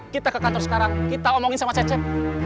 kita ke kantor sekarang kita omongin sama cecep